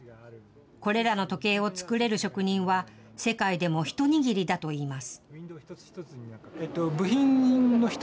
これらの時計を創れる職人は世界でも一握りだといいます。